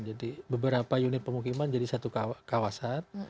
jadi beberapa unit pemukiman jadi satu kawasan